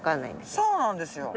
そうなんですよ。